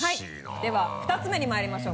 では２つ目にまいりましょう。